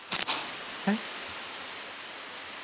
えっ？